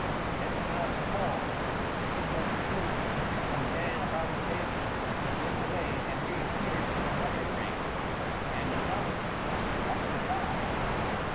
Then the mouse paused, looked at the student, then ran about the table, went away and reappeared with another grain, and another, up to five.